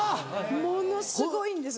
ものすごいんです。